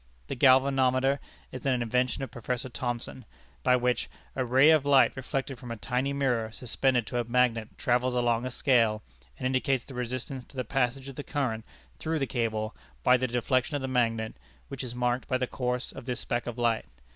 The galvanometer is an invention of Professor Thomson, by which "a ray of light reflected from a tiny mirror suspended to a magnet travels along a scale, and indicates the resistance to the passage of the current through the cable by the deflection of the magnet, which is marked by the course of this speck of light.